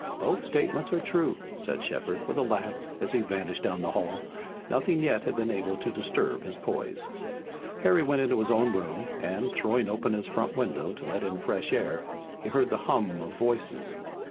"Both statements are true," said Shepard with a laugh as he vanished down the hail. Nothing yet had been able to disturb his poise. Harry went into his own room, and, throwing open his front window to let in fresh air, he heard the hum of voices.